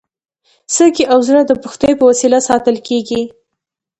سږي او زړه د پښتیو په وسیله ساتل کېږي.